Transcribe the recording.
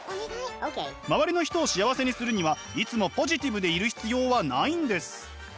周りの人を幸せにするにはいつもポジティブでいる必要はないんです。